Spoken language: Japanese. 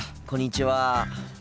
こんにちは。